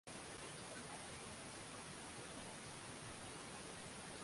na sasa ni mpishe ebi shaban abdala katika siha njema